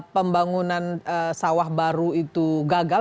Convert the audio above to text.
pembangunan sawah baru itu gagal